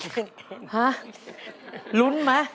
ฮะลุ้นไหม